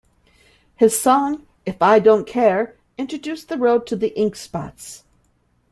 His song, "If I Didn't Care", introduced the world to The Ink Spots.